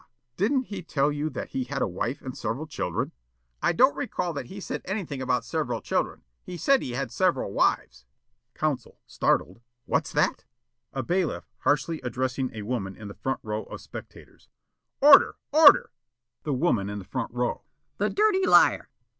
Didn't he tell you that he had a wife and several children?" Yollop: "I don't recall that he said anything about several children. He said he had several wives." Counsel, startled: "What's that?" A bailiff, harshly addressing a woman in the front row of spectators: "Order! Order!" The Woman in the front row: "The dirty liar!"